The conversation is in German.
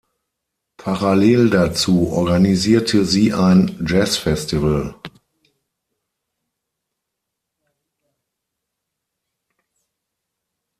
Parallel dazu organisierte sie ein Jazzfestival.